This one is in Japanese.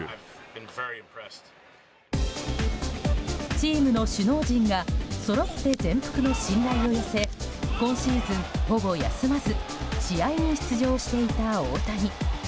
チームの首脳陣がそろって全幅の信頼を寄せ今シーズン、ほぼ休まず試合に出場していた大谷。